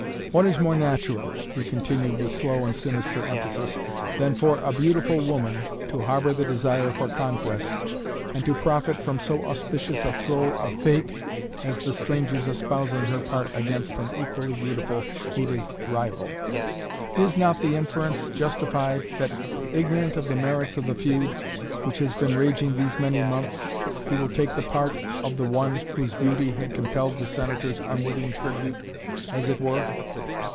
What is more natural," he continued with slow and sinister emphasis, "than for a beautiful woman to harbor the desire for conquest, and to profit from so auspicious a throw of fate as the stranger's espousing her part against an equally beautiful, hated rival? Is not the inference justified, that, ignorant of the merits of the feud, which has been raging these many months, he will take the part of the one whose beauty had compelled the Senator's unwitting tribute as it were?"